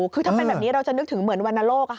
คือถ้าเป็นแบบนี้เราจะนึกถึงเหมือนวรรณโลก